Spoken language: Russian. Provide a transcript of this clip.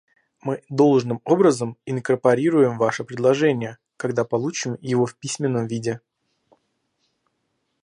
Мы должным образом инкорпорируем ваше предложение, когда получим его в письменном виде.